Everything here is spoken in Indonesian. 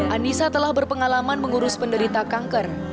anissa telah berpengalaman mengurus penderita kanker